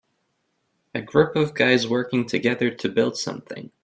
A group of guys working together to build something